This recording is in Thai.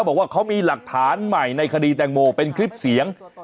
บอกว่าเขามีหลักฐานใหม่ในคดีแตงโมเป็นคลิปเสียง